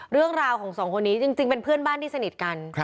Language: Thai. เรื่องราวของสองคนนี้จริงเป็นเพื่อนบ้านที่สนิทกัน